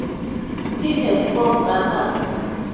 He has four brothers.